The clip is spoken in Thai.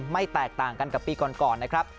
แตกต่างกันกับปีก่อนนะครับ